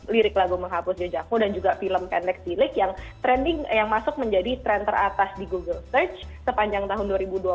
lirik lagu menghapus jejakmu dan juga film pendek cilik yang trending yang masuk menjadi tren teratas di google search sepanjang tahun dua ribu dua puluh